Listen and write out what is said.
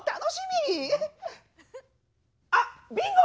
あっビンゴ！